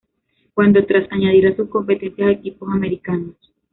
Cuando, tras añadir a sus competencias equipos americanos.